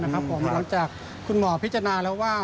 หลังจากคุณหมอพิจารณาแล้วว่า